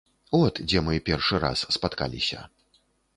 От дзе мы першы раз спаткаліся.